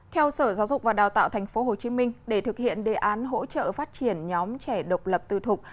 theo sở giáo dục và đào tạo tp hcm để thực hiện đề án hỗ trợ phát triển nhóm trẻ độc lập tư thục